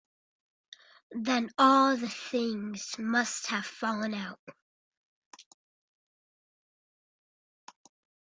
Then all the things must have fallen out!